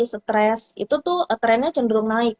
stress itu tuh trennya cenderung naik